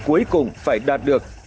mà cuối cùng phải đạt được